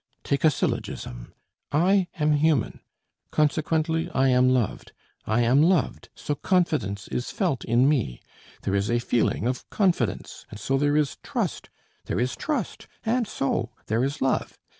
Take a syllogism. I am human, consequently I am loved. I am loved, so confidence is felt in me. There is a feeling of confidence, and so there is trust. There is trust, and so there is love